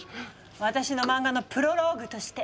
私の漫画のプロローグとして。